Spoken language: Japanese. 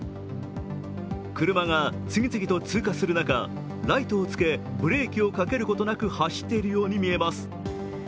車が次々と通過する中ライトをつけブレーキをかけることなく走っているように見えます。